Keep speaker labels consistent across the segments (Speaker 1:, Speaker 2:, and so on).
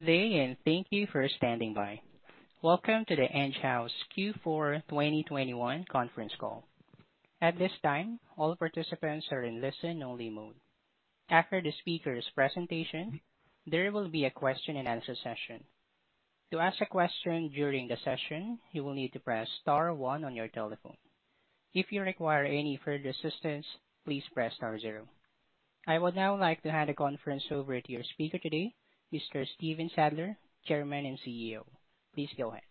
Speaker 1: Good day, and thank you for standing by. Welcome to the Enghouse Q4 2021 conference call. At this time, all participants are in listen only mode. After the speaker's presentation, there will be a question and answer session. To ask a question during the session, you will need to press star one on your telephone. If you require any further assistance, please press star zero. I would now like to hand the conference over to your speaker today, Mr. Stephen Sadler, Chairman and CEO. Please go ahead.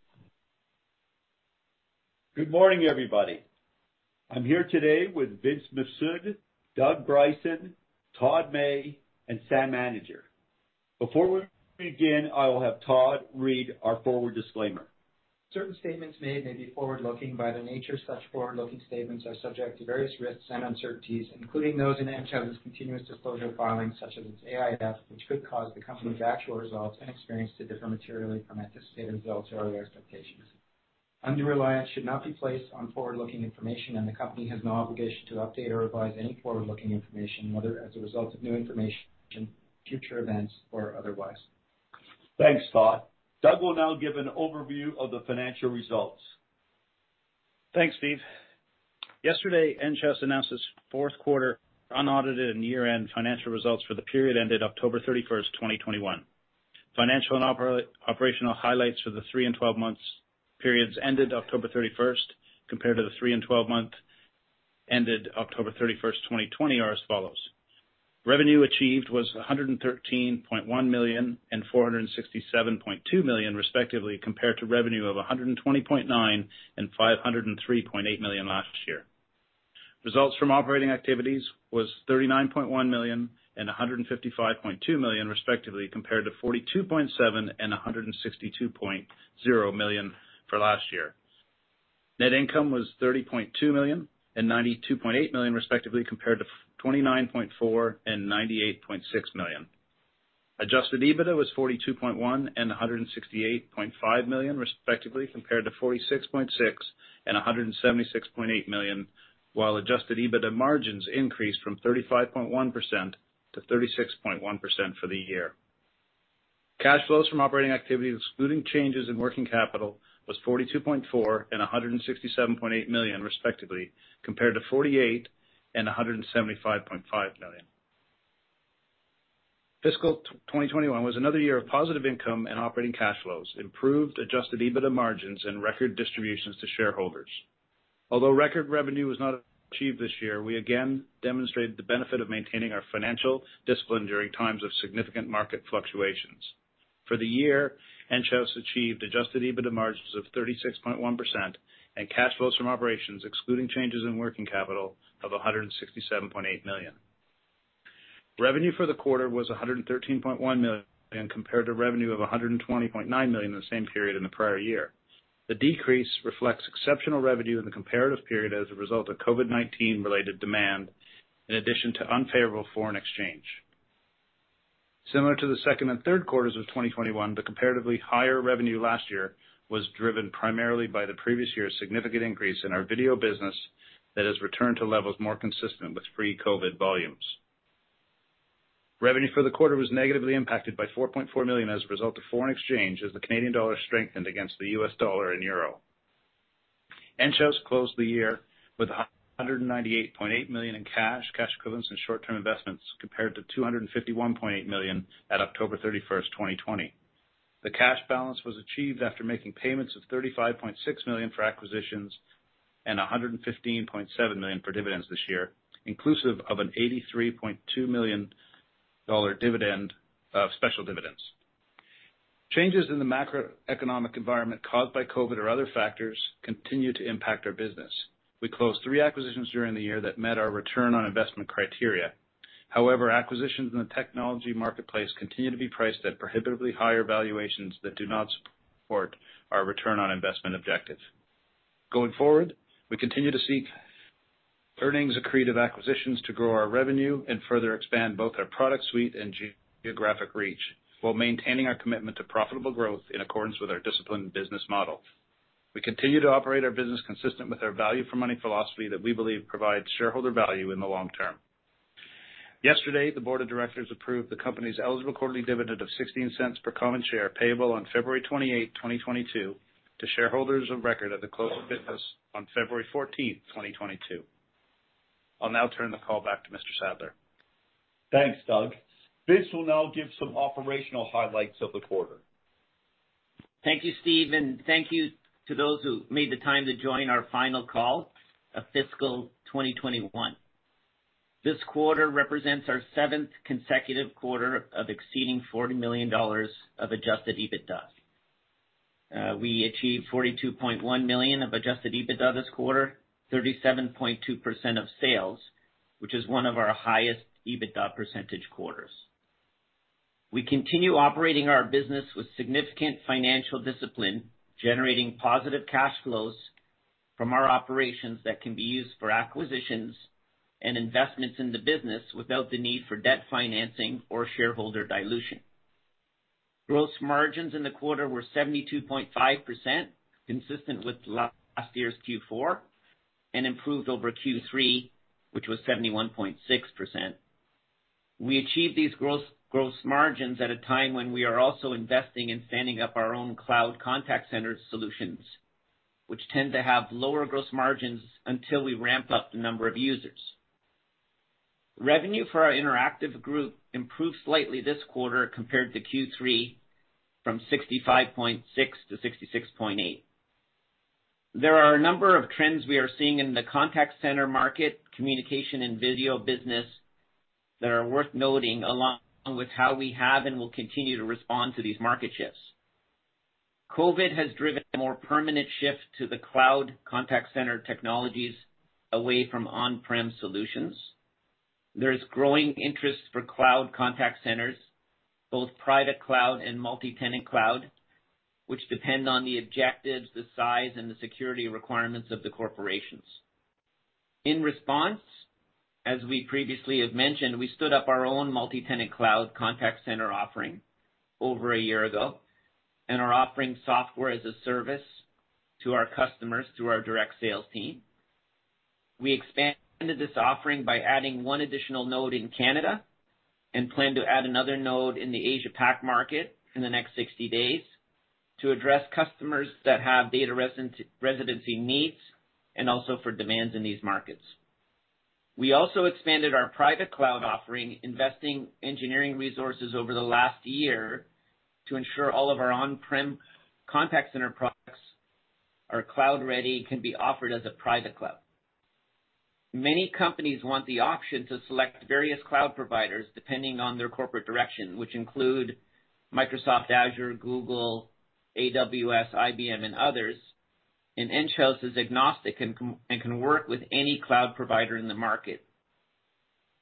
Speaker 2: Good morning, everybody. I'm here today with Vince Mifsud, Doug Bryson, Todd May, and Sam Anidjar. Before we begin, I will have Todd read our forward disclaimer.
Speaker 3: Certain statements made may be forward-looking. By their nature, such forward-looking statements are subject to various risks and uncertainties, including those in Enghouse's continuous disclosure filings such as its AIF, which could cause the company's actual results and experience to differ materially from anticipated results or expectations. Undue reliance should not be placed on forward-looking information, and the company has no obligation to update or revise any forward-looking information, whether as a result of new information, future events, or otherwise.
Speaker 2: Thanks, Todd. Doug will now give an overview of the financial results.
Speaker 4: Thanks, Steve. Yesterday, Enghouse announced its fourth quarter unaudited and year-end financial results for the period ended October 31, 2021. Financial and operational highlights for the three and twelve months periods ended October 31, compared to the three and twelve-month ended October 31, 2020 are as follows. Revenue achieved was 113.1 million and 467.2 million, respectively, compared to revenue of 120.9 million and 503.8 million last year. Results from operating activities was 39.1 million and 155.2 million, respectively, compared to 42.7 million and 162.0 million for last year. Net income was 30.2 million and 92.8 million, respectively, compared to 29.4 million and 98.6 million. Adjusted EBITDA was 42.1 million and 168.5 million, respectively, compared to 46.6 million and 176.8 million, while adjusted EBITDA margins increased from 35.1% to 36.1% for the year. Cash flows from operating activities, excluding changes in working capital, was 42.4 million and 167.8 million, respectively, compared to 48 million and 175.5 million. Fiscal 2021 was another year of positive income and operating cash flows, improved adjusted EBITDA margins, and record distributions to shareholders. Although record revenue was not achieved this year, we again demonstrated the benefit of maintaining our financial discipline during times of significant market fluctuations. For the year, Enghouse achieved adjusted EBITDA margins of 36.1% and cash flows from operations, excluding changes in working capital, of 167.8 million. Revenue for the quarter was 113.1 million compared to revenue of 120.9 million in the same period in the prior year. The decrease reflects exceptional revenue in the comparative period as a result of COVID-19 related demand, in addition to unfavorable foreign exchange. Similar to the second and third quarters of 2021, the comparatively higher revenue last year was driven primarily by the previous year's significant increase in our video business that has returned to levels more consistent with pre-COVID volumes. Revenue for the quarter was negatively impacted by $4.4 million as a result of foreign exchange as the Canadian dollar strengthened against the U.S. dollar and euro. Enghouse closed the year with $198.8 million in cash equivalents, and short-term investments, compared to $251.8 million at October 31, 2020. The cash balance was achieved after making payments of $35.6 million for acquisitions and $115.7 million for dividends this year, inclusive of an $83.2 million dollar dividend, special dividends. Changes in the macroeconomic environment caused by COVID or other factors continue to impact our business. We closed three acquisitions during the year that met our return on investment criteria. However, acquisitions in the technology marketplace continue to be priced at prohibitively higher valuations that do not support our return on investment objectives. Going forward, we continue to seek earnings accretive acquisitions to grow our revenue and further expand both our product suite and geographic reach, while maintaining our commitment to profitable growth in accordance with our disciplined business model. We continue to operate our business consistent with our value for money philosophy that we believe provides shareholder value in the long term. Yesterday, the board of directors approved the company's eligible quarterly dividend of 0.16 per common share, payable on February 28, 2022, to shareholders of record at the close of business on February 14, 2022. I'll now turn the call back to Mr. Sadler.
Speaker 2: Thanks, Doug. Vince will now give some operational highlights of the quarter.
Speaker 5: Thank you, Steve, and thank you to those who made the time to join our final call of fiscal 2021. This quarter represents our seventh consecutive quarter of exceeding 40 million dollars of adjusted EBITDA. We achieved 42.1 million of adjusted EBITDA this quarter, 37.2% of sales, which is one of our highest EBITDA percentage quarters. We continue operating our business with significant financial discipline, generating positive cash flows from our operations that can be used for acquisitions and investments in the business without the need for debt financing or shareholder dilution. Gross margins in the quarter were 72.5%, consistent with last year's Q4. Improved over Q3, which was 71.6%. We achieved these gross margins at a time when we are also investing in standing up our own cloud contact center solutions, which tend to have lower gross margins until we ramp up the number of users. Revenue for our Interactive group improved slightly this quarter compared to Q3, from 65.6 to 66.8. There are a number of trends we are seeing in the contact center market, communication and video business that are worth noting, along with how we have and will continue to respond to these market shifts. COVID has driven a more permanent shift to the cloud contact center technologies away from on-prem solutions. There's growing interest for cloud contact centers, both private cloud and multi-tenant cloud, which depend on the objectives, the size, and the security requirements of the corporations. In response, as we previously have mentioned, we stood up our own multi-tenant cloud contact center offering over a year ago and are offering software as a service to our customers through our direct sales team. We expanded this offering by adding one additional node in Canada and plan to add another node in the Asia Pac market in the next 60 days to address customers that have data residency needs and also for demands in these markets. We also expanded our private cloud offering, investing engineering resources over the last year to ensure all of our on-prem contact center products are cloud ready, can be offered as a private cloud. Many companies want the option to select various cloud providers depending on their corporate direction, which include Microsoft Azure, Google, AWS, IBM and others. Enghouse is agnostic and can work with any cloud provider in the market.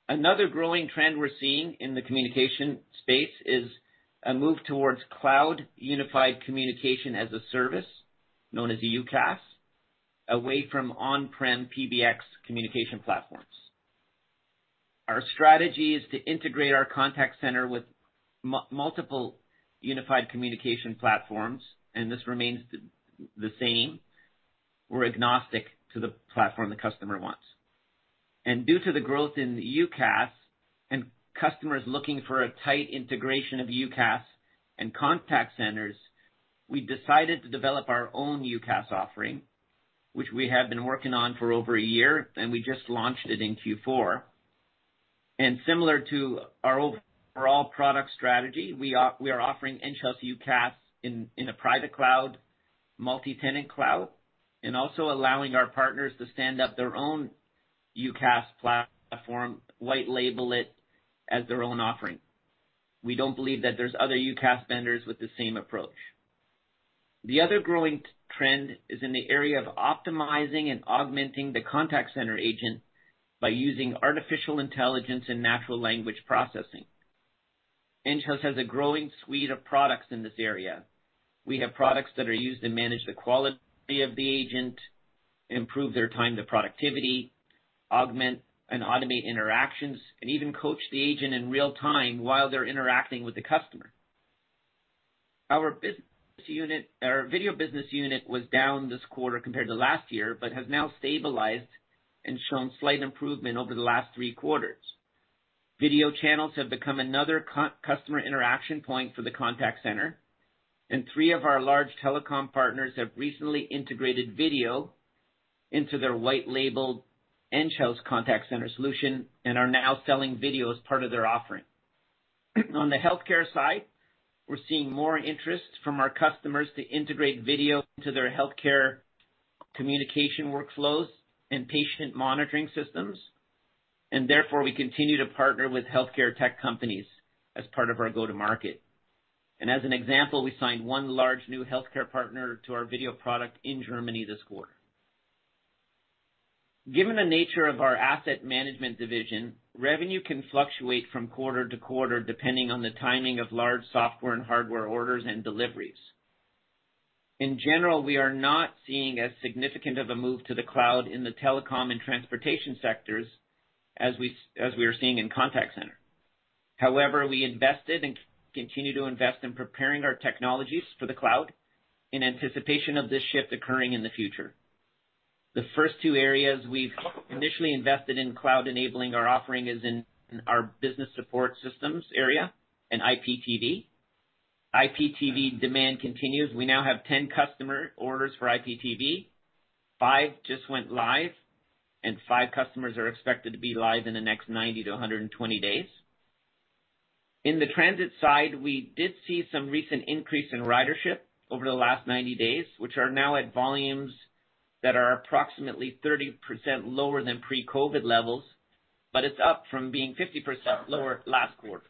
Speaker 5: Another growing trend we're seeing in the communication space is a move towards cloud unified communication as a service, known as UCaaS, away from on-prem PBX communication platforms. Our strategy is to integrate our contact center with multiple unified communication platforms, and this remains the same. We're agnostic to the platform the customer wants. Due to the growth in UCaaS and customers looking for a tight integration of UCaaS and contact centers, we decided to develop our own UCaaS offering, which we have been working on for over a year, and we just launched it in Q4. Similar to our overall product strategy, we are offering Enghouse UCaaS in a private cloud, multi-tenant cloud, and also allowing our partners to stand up their own UCaaS platform, white label it as their own offering. We don't believe that there's other UCaaS vendors with the same approach. The other growing trend is in the area of optimizing and augmenting the contact center agent by using artificial intelligence and natural language processing. Enghouse has a growing suite of products in this area. We have products that are used to manage the quality of the agent, improve their time to productivity, augment and automate interactions, and even coach the agent in real time while they're interacting with the customer. Our video business unit was down this quarter compared to last year, but has now stabilized and shown slight improvement over the last three quarters. Video channels have become another customer interaction point for the contact center, and three of our large telecom partners have recently integrated video into their white-labeled Enghouse contact center solution and are now selling video as part of their offering. On the healthcare side, we're seeing more interest from our customers to integrate video into their healthcare communication workflows and patient monitoring systems, and therefore, we continue to partner with healthcare tech companies as part of our go-to-market. As an example, we signed one large new healthcare partner to our video product in Germany this quarter. Given the nature of our Asset Management division, revenue can fluctuate from quarter to quarter, depending on the timing of large software and hardware orders and deliveries. In general, we are not seeing as significant of a move to the cloud in the telecom and transportation sectors as we are seeing in contact center. However, we invested and continue to invest in preparing our technologies for the cloud in anticipation of this shift occurring in the future. The first two areas we've initially invested in cloud enabling our offering is in our business support systems area and IPTV. IPTV demand continues. We now have 10 customer orders for IPTV. 5 just went live, and 5 customers are expected to be live in the next 90 to 120 days. In the transit side, we did see some recent increase in ridership over the last 90 days, which are now at volumes that are approximately 30% lower than pre-COVID levels, but it's up from being 50% lower last quarter.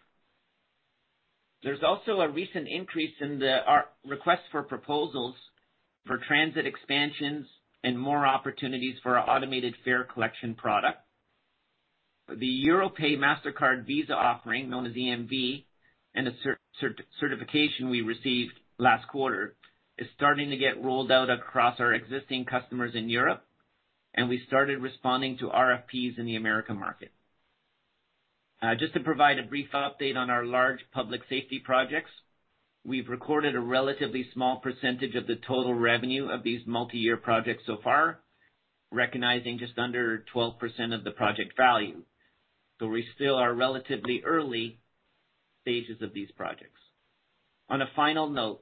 Speaker 5: There's also a recent increase in our request for proposals for transit expansions and more opportunities for our automated fare collection product. The Europay Mastercard Visa offering, known as EMV, and the certification we received last quarter, is starting to get rolled out across our existing customers in Europe, and we started responding to RFPs in the American market. Just to provide a brief update on our large public safety projects. We've recorded a relatively small percentage of the total revenue of these multi-year projects so far, recognizing just under 12% of the project value. We still are relatively early stages of these projects. On a final note,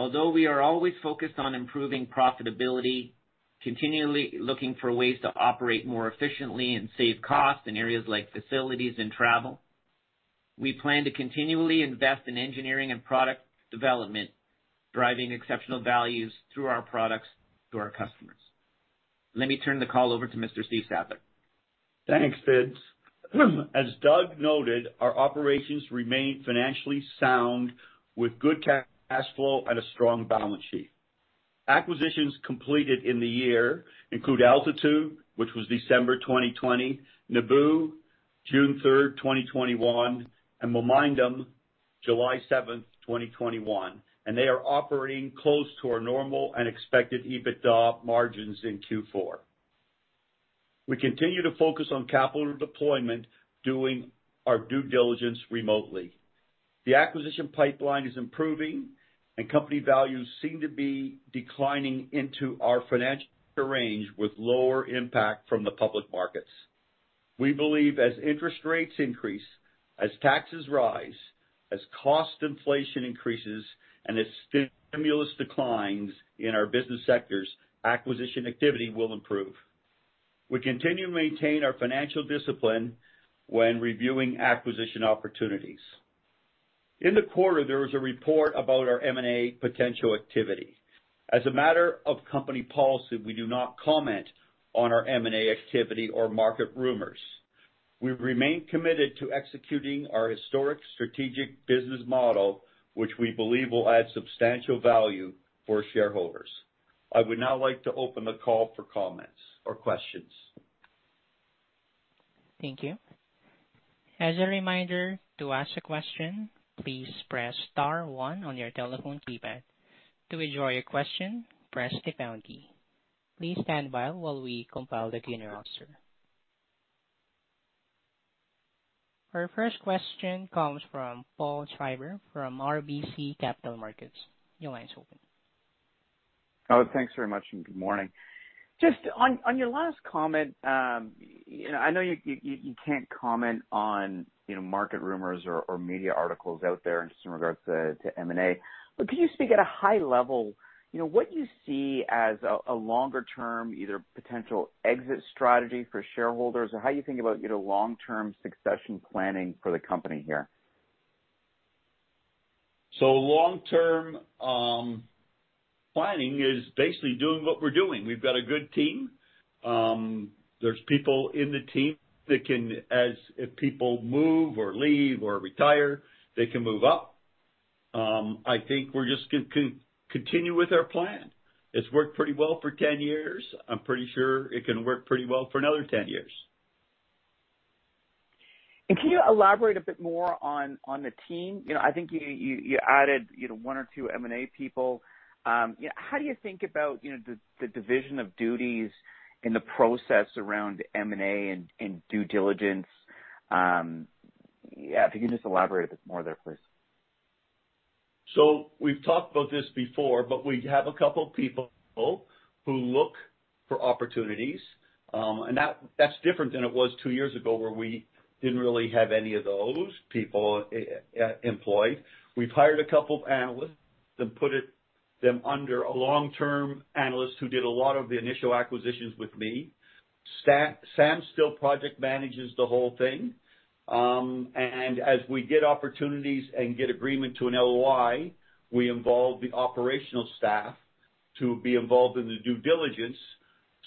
Speaker 5: although we are always focused on improving profitability, continually looking for ways to operate more efficiently and save costs in areas like facilities and travel, we plan to continually invest in engineering and product development, driving exceptional values through our products to our customers. Let me turn the call over to Mr. Steve Sadler.
Speaker 2: Thanks, Vince. As Doug noted, our operations remain financially sound with good cash flow and a strong balance sheet. Acquisitions completed in the year include Altitude, which was December 2020, Nebu, June 3, 2021, and Momindum, July 7, 2021. They are operating close to our normal and expected EBITDA margins in Q4. We continue to focus on capital deployment, doing our due diligence remotely. The acquisition pipeline is improving, and company values seem to be declining into our financial range with lower impact from the public markets. We believe as interest rates increase, as taxes rise, as cost inflation increases, and as stimulus declines in our business sectors, acquisition activity will improve. We continue to maintain our financial discipline when reviewing acquisition opportunities. In the quarter, there was a report about our M&A potential activity. As a matter of company policy, we do not comment on our M&A activity or market rumors. We remain committed to executing our historic strategic business model, which we believe will add substantial value for shareholders. I would now like to open the call for comments or questions.
Speaker 1: Thank you. As a reminder, to ask a question, please press star one on your telephone keypad. To withdraw your question, press the pound key. Please stand by while we compile the Q&A roster. Our first question comes from Paul Treiber from RBC Capital Markets. Your line is open.
Speaker 6: Oh, thanks very much, and good morning. Just on your last comment, you know, I know you can't comment on, you know, market rumors or media articles out there just in regards to M&A. But could you speak at a high level, you know, what you see as a longer term, either potential exit strategy for shareholders or how you think about, you know, long-term succession planning for the company here?
Speaker 2: Long-term planning is basically doing what we're doing. We've got a good team. There's people in the team that can if people move or leave or retire, they can move up. I think we're just gonna continue with our plan. It's worked pretty well for 10 years. I'm pretty sure it can work pretty well for another 10 years.
Speaker 6: Can you elaborate a bit more on the team? You know, I think you added, you know, one or two M&A people. You know, how do you think about the division of duties in the process around M&A and due diligence? Yeah, if you can just elaborate a bit more there, please.
Speaker 2: We've talked about this before, but we have a couple people who look for opportunities, and that's different than it was two years ago, where we didn't really have any of those people employed. We've hired a couple of analysts and put them under a long-term analyst who did a lot of the initial acquisitions with me. Sam still project manages the whole thing. As we get opportunities and get agreement to an LOI, we involve the operational staff to be involved in the due diligence,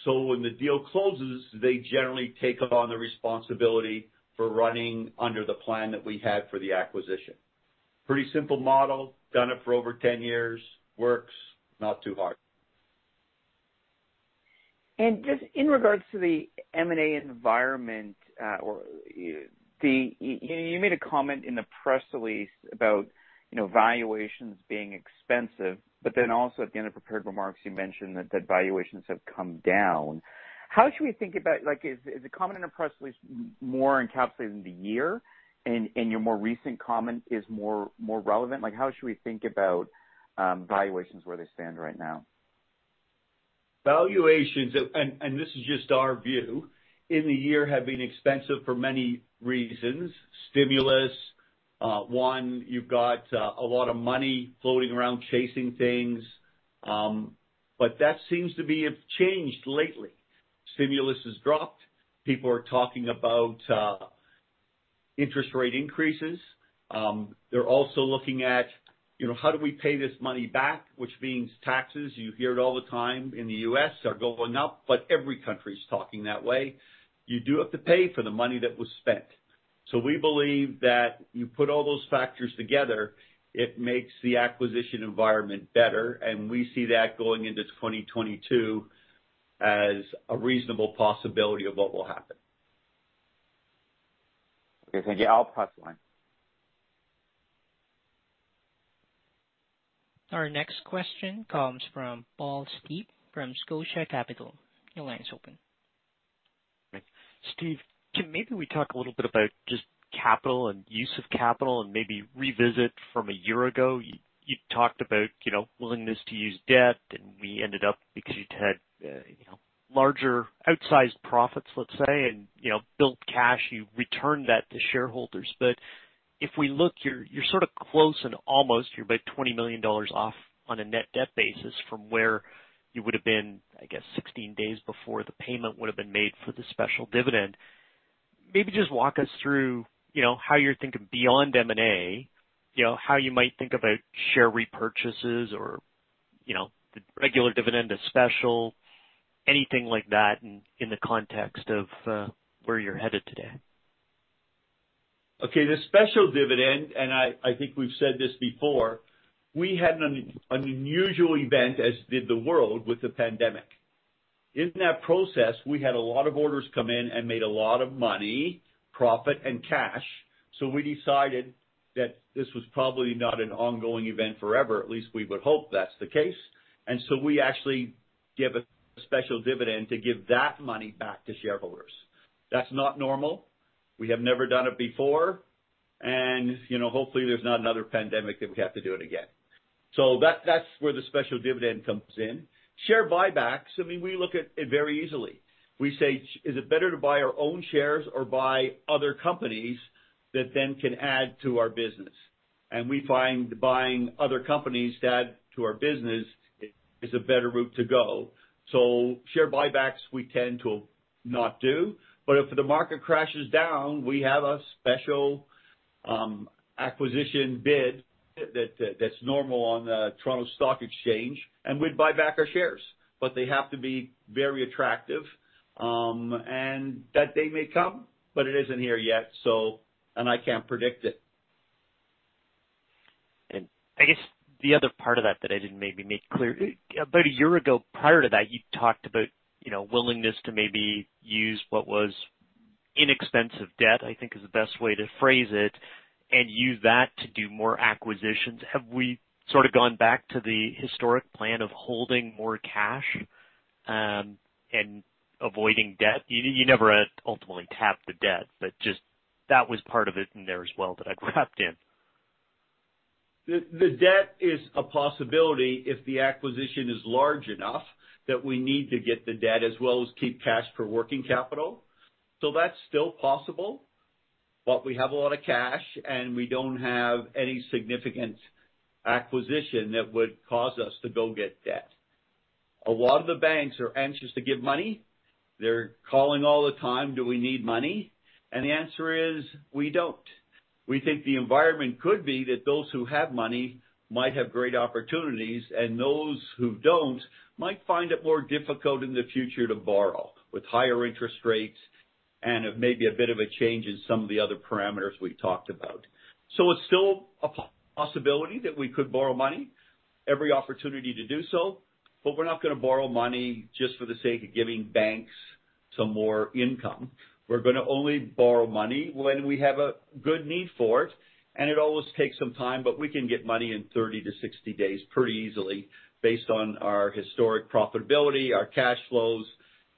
Speaker 2: so when the deal closes, they generally take on the responsibility for running under the plan that we had for the acquisition. Pretty simple model. Done it for over 10 years. Works, not too hard.
Speaker 6: Just in regards to the M&A environment. You made a comment in the press release about, you know, valuations being expensive, but then also at the end of prepared remarks, you mentioned that valuations have come down. How should we think about, like, is the comment in our press release more encapsulated in the year and your more recent comment is more relevant? Like, how should we think about valuations where they stand right now?
Speaker 2: Valuations, this is just our view, this year have been expensive for many reasons. Stimulus, one, you've got a lot of money floating around chasing things. But that seems to have changed lately. Stimulus has dropped. People are talking about interest rate increases. They're also looking at, you know, how do we pay this money back, which means taxes, you hear it all the time in the U.S. are going up, but every country's talking that way. You do have to pay for the money that was spent. We believe that you put all those factors together, it makes the acquisition environment better, and we see that going into 2022 as a reasonable possibility of what will happen.
Speaker 6: Okay, thank you. I'll press line.
Speaker 1: Our next question comes from Paul Steep from Scotia Capital. Your line is open.
Speaker 7: Steve, can maybe we talk a little bit about just capital and use of capital and maybe revisit from a year ago you talked about, you know, willingness to use debt, and we ended up because you'd had you know, larger outsized profits, let's say, and you know, built cash, you returned that to shareholders. If we look, you're sort of close and almost about 20 million dollars off on a net debt basis from where you would have been, I guess, 16 days before the payment would have been made for the special dividend. Maybe just walk us through, you know, how you're thinking beyond M&A, you know, how you might think about share repurchases or, you know, the regular dividend to special, anything like that in the context of where you're headed today.
Speaker 2: Okay. The special dividend, and I think we've said this before, we had an unusual event, as did the world, with the pandemic. In that process, we had a lot of orders come in and made a lot of money, profit and cash. We decided that this was probably not an ongoing event forever. At least we would hope that's the case. We actually give a special dividend to give that money back to shareholders. That's not normal. We have never done it before. You know, hopefully there's not another pandemic that we have to do it again. That's where the special dividend comes in. Share buybacks, I mean, we look at it very easily. We say, is it better to buy our own shares or buy other companies that then can add to our business. We find buying other companies to add to our business is a better route to go. Share buybacks we tend to not do. If the market crashes down, we have a special acquisition bid that's normal on the Toronto Stock Exchange, and we'd buy back our shares. They have to be very attractive, and that day may come, but it isn't here yet. I can't predict it.
Speaker 7: I guess the other part of that that I didn't maybe make clear. About a year ago, prior to that, you talked about, you know, willingness to maybe use what was inexpensive debt, I think is the best way to phrase it, and use that to do more acquisitions. Have we sort of gone back to the historic plan of holding more cash, and avoiding debt? You never ultimately tapped the debt, but just that was part of it in there as well that I wrapped in.
Speaker 2: The debt is a possibility if the acquisition is large enough that we need to get the debt as well as keep cash for working capital. That's still possible. We have a lot of cash, and we don't have any significant acquisition that would cause us to go get debt. A lot of the banks are anxious to give money. They're calling all the time, do we need money? The answer is, we don't. We think the environment could be that those who have money might have great opportunities, and those who don't might find it more difficult in the future to borrow with higher interest rates and maybe a bit of a change in some of the other parameters we talked about. It's still a possibility that we could borrow money, every opportunity to do so, but we're not gonna borrow money just for the sake of giving banks some more income. We're gonna only borrow money when we have a good need for it, and it always takes some time, but we can get money in 30-60 days pretty easily based on our historic profitability, our cash flows,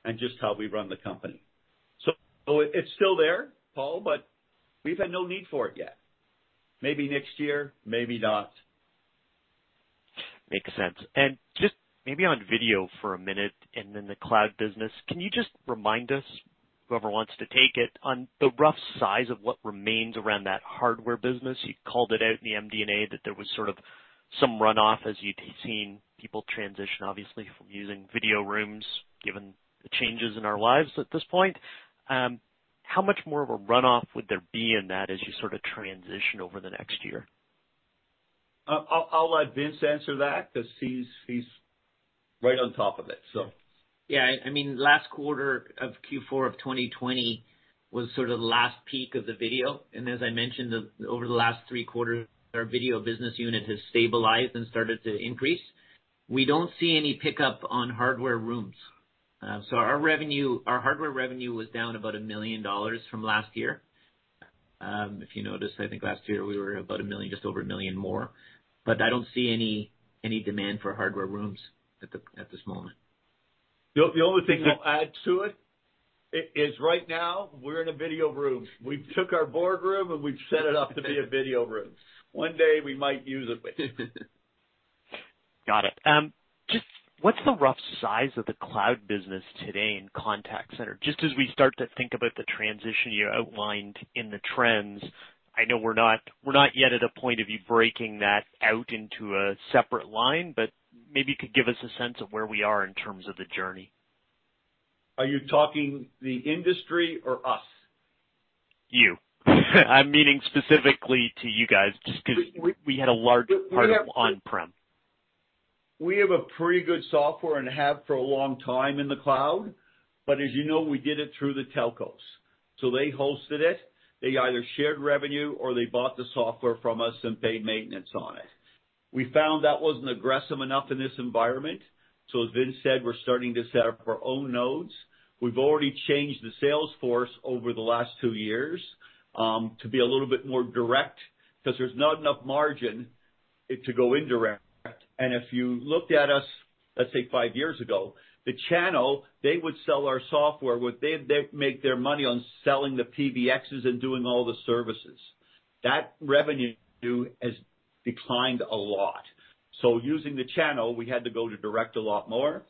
Speaker 2: and just how we run the company. It's still there, Paul, but we've had no need for it yet. Maybe next year, maybe not.
Speaker 7: Makes sense. Just maybe on video for a minute and then the cloud business, can you just remind us, whoever wants to take it, on the rough size of what remains around that hardware business? You called it out in the MD&A that there was sort of some runoff as you'd seen people transition, obviously, from using video rooms, given the changes in our lives at this point. How much more of a runoff would there be in that as you sort of transition over the next year?
Speaker 2: I'll let Vince answer that because he's right on top of it, so.
Speaker 5: Yeah, I mean, last quarter of Q4 of 2020 was sort of the last peak of the video. As I mentioned, over the last three quarters, our video business unit has stabilized and started to increase. We don't see any pickup on hardware rooms. So our revenue, our hardware revenue was down about 1 million dollars from last year. If you notice, I think last year we were about 1 million, just over 1 million more. I don't see any demand for hardware rooms at this moment.
Speaker 2: The only thing I'll add to it is right now we're in a video room. We took our board room, and we've set it up to be a video room. One day we might use it.
Speaker 7: Got it. Just what's the rough size of the cloud business today in contact center? Just as we start to think about the transition you outlined in the trends, I know we're not yet at a point of you breaking that out into a separate line, but maybe you could give us a sense of where we are in terms of the journey.
Speaker 2: Are you talking the industry or us?
Speaker 7: I'm meaning specifically to you guys, just 'cause we had a large part of on-prem.
Speaker 2: We have a pretty good software and have for a long time in the cloud. As you know, we did it through the telcos. They hosted it. They either shared revenue or they bought the software from us and paid maintenance on it. We found that wasn't aggressive enough in this environment. As Vince said, we're starting to set up our own nodes. We've already changed the sales force over the last two years to be a little bit more direct because there's not enough margin to go indirect. And if you looked at us, let's say five years ago, the channel, they would sell our software. They'd make their money on selling the PBXs and doing all the services. That revenue has declined a lot. Using the channel, we had to go to direct a lot more.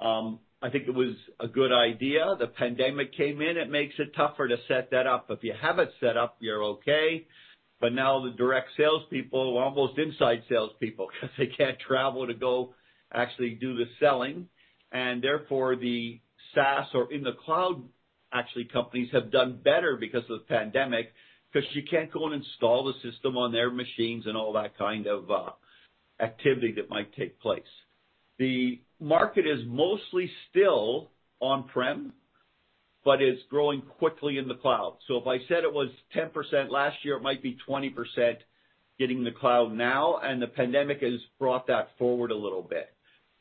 Speaker 2: I think it was a good idea. The pandemic came in, it makes it tougher to set that up. If you have it set up, you're okay. Now the direct sales people are almost inside sales people because they can't travel to go actually do the selling. Therefore, the SaaS or in the cloud, actually, companies have done better because of the pandemic, because you can't go and install the system on their machines and all that kind of activity that might take place. The market is mostly still on-prem, but it's growing quickly in the cloud. If I said it was 10% last year, it might be 20% getting the cloud now, and the pandemic has brought that forward a little bit.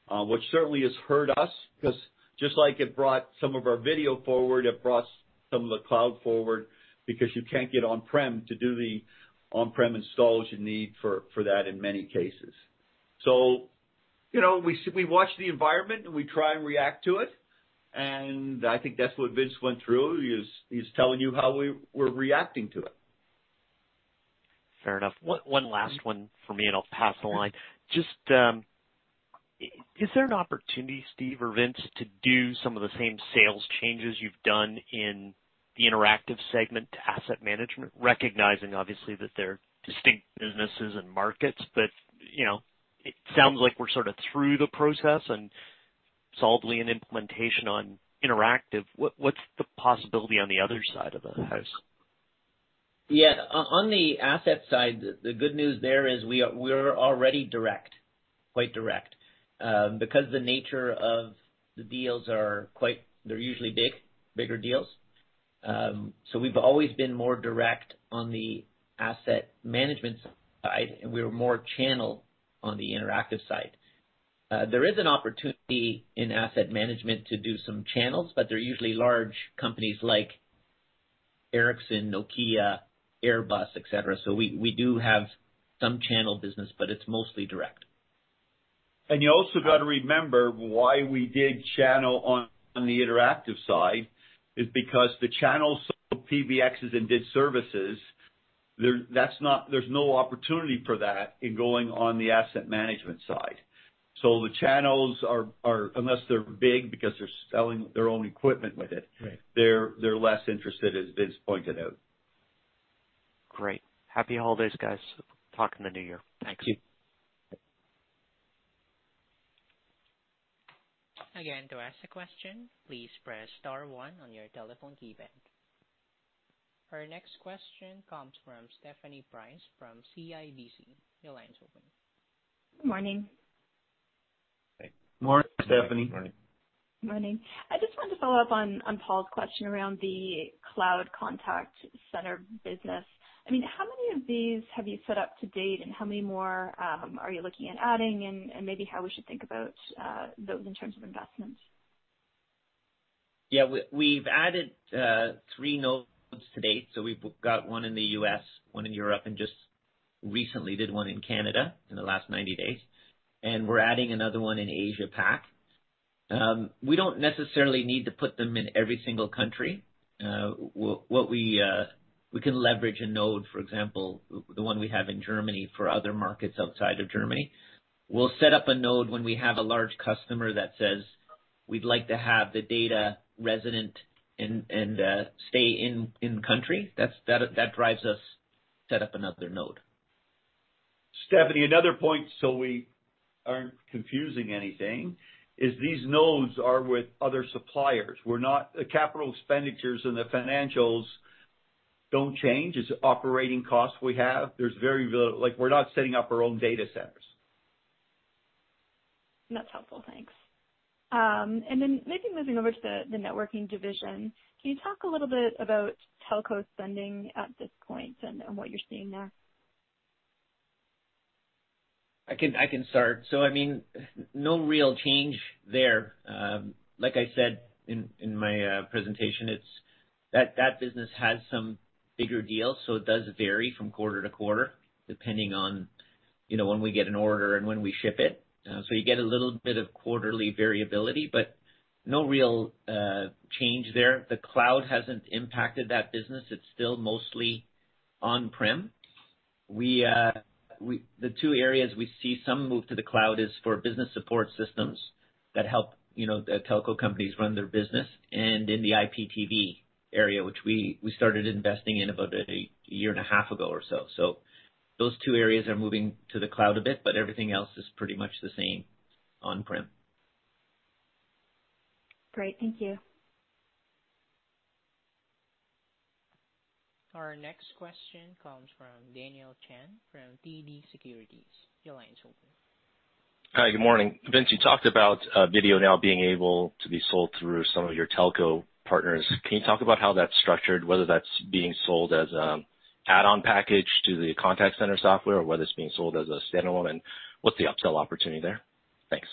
Speaker 2: Which certainly has hurt us because just like it brought some of our video forward, it brought some of the cloud forward because you can't get on-prem to do the on-prem installs you need for that in many cases. You know, we watch the environment and we try and react to it. I think that's what Vince went through, is he's telling you how we're reacting to it.
Speaker 7: Fair enough. One last one for me, and I'll pass along. Just, is there an opportunity, Steve or Vince, to do some of the same sales changes you've done in the Interactive segment to Asset Management? Recognizing, obviously, that they're distinct businesses and markets, but, you know, it sounds like we're sort of through the process and solidly in implementation on Interactive. What's the possibility on the other side of the house?
Speaker 5: On the asset side, the good news there is we're already direct, quite direct. Because the nature of the deals are quite. They're usually big, bigger deals. We've always been more direct on the asset management side, and we're more channel on the interactive side. There is an opportunity in asset management to do some channels, but they're usually large companies like Ericsson, Nokia, Airbus, et cetera. We do have some channel business, but it's mostly direct.
Speaker 2: You also got to remember why we did channels on the Interactive side is because the channels sold PBXs and did services. There's no opportunity for that in going on the Asset Management side. The channels are unless they're big because they're selling their own equipment with it.
Speaker 5: Right.
Speaker 2: They're less interested, as Vince pointed out.
Speaker 7: Great. Happy holidays, guys. Talk in the new year. Thanks.
Speaker 5: Thank you.
Speaker 1: Again, to ask a question, please press star one on your telephone keypad. Our next question comes from Stephanie Price from CIBC. Your line's open.
Speaker 8: Good morning.
Speaker 2: Morning, Stephanie.
Speaker 5: Morning.
Speaker 8: Morning. I just wanted to follow up on Paul's question around the cloud contact center business. I mean, how many of these have you set up to date, and how many more are you looking at adding, and maybe how we should think about those in terms of investments?
Speaker 5: Yeah, we've added three nodes to date. We've got one in the U.S., one in Europe, and just recently did one in Canada in the last 90 days. We're adding another one in Asia Pac. We don't necessarily need to put them in every single country. What we can leverage a node, for example, the one we have in Germany for other markets outside of Germany. We'll set up a node when we have a large customer that says, "We'd like to have the data resident and stay in country." That's what drives us to set up another node.
Speaker 2: Stephanie, another point, so we aren't confusing anything, is these nodes are with other suppliers. We're not. The capital expenditures and the financials don't change. It's operating costs we have. There's like, we're not setting up our own data centers.
Speaker 8: That's helpful. Thanks. Maybe moving over to the networking division. Can you talk a little bit about telco spending at this point and what you're seeing there?
Speaker 5: I can start. I mean, no real change there. Like I said in my presentation, it's that business has some bigger deals, so it does vary from quarter to quarter depending on, you know, when we get an order and when we ship it. So you get a little bit of quarterly variability, but no real change there. The cloud hasn't impacted that business. It's still mostly on-prem. The two areas we see some move to the cloud is for Business Support Systems that help, you know, the telco companies run their business and in the IPTV area, which we started investing in about a year and a half ago or so. Those two areas are moving to the cloud a bit, but everything else is pretty much the same on-prem.
Speaker 8: Great. Thank you.
Speaker 1: Our next question comes from Daniel Chan from TD Securities. Your line is open.
Speaker 9: Hi, good morning. Vince, you talked about video now being able to be sold through some of your telco partners. Can you talk about how that's structured? Whether that's being sold as an add-on package to the contact center software or whether it's being sold as a standalone, what's the upsell opportunity there? Thanks.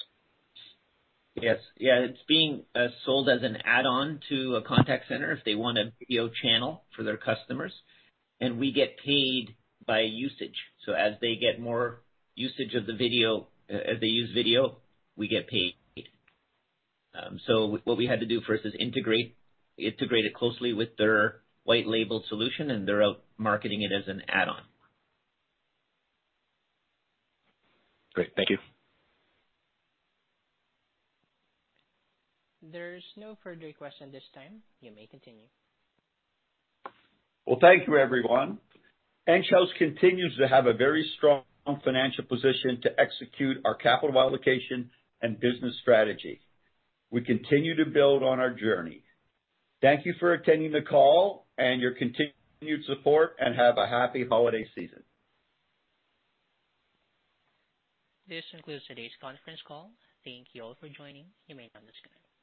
Speaker 5: Yes. Yeah, it's being sold as an add-on to a contact center if they want a video channel for their customers, and we get paid by usage. As they get more usage of the video, as they use video, we get paid. What we had to do first is integrate it closely with their white-labeled solution, and they're out marketing it as an add-on.
Speaker 9: Great. Thank you.
Speaker 1: There's no further questions this time. You may continue.
Speaker 2: Well, thank you everyone. Enghouse continues to have a very strong financial position to execute our capital allocation and business strategy. We continue to build on our journey. Thank you for attending the call and your continued support, and have a happy holiday season.
Speaker 1: This concludes today's conference call. Thank you all for joining. You may disconnect.